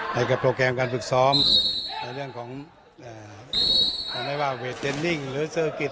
ในกับโปรแกรมการฝึกซ้อมในเรื่องของเวทเจนลิงหรือเซอร์กิจ